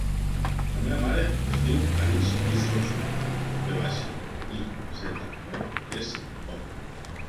La meva mare es diu Arij Vizoso: ve baixa, i, zeta, o, essa, o.